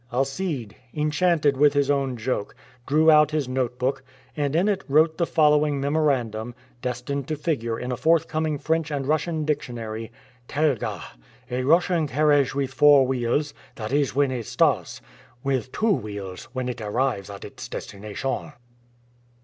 Alcide, enchanted with his own joke, drew out his notebook, and in it wrote the following memorandum, destined to figure in a forthcoming French and Russian dictionary: "Telga, a Russian carriage with four wheels, that is when it starts; with two wheels, when it arrives at its destination."